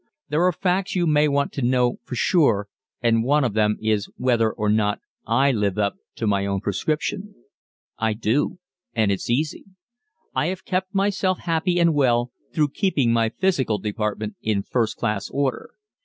There are facts you may want to know for sure and one of them is whether or not I live up to my own prescription. I do and it's easy! I have kept myself happy and well through keeping my physical department in first class order.